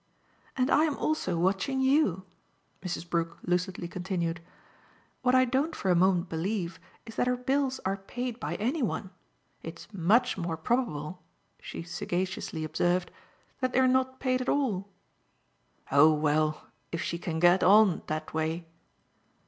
"And I'm also watching YOU!" Mrs. Brook lucidly continued. "What I don't for a moment believe is that her bills are paid by any one. It's MUCH more probable," she sagaciously observed, "that they're not paid at all." "Oh well, if she can get on that way